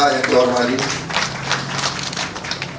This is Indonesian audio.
saudara gibran raka buming raka